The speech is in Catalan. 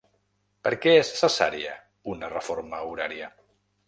Per què és necessària una reforma horària?